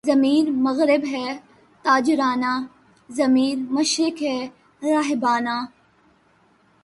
ضمیرِ مغرب ہے تاجرانہ، ضمیر مشرق ہے راہبانہ